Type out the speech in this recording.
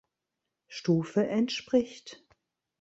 Stufe entspricht.